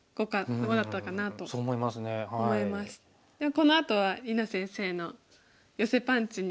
このあとは里菜先生のヨセパンチに。